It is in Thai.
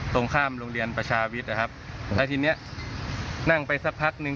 ตรงข้ามโรงเรียนประชาวิทย์นะครับแล้วทีเนี้ยนั่งไปสักพักหนึ่ง